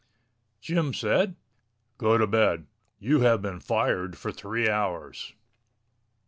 Jim said, "Go to bed. You have been fired for three hours."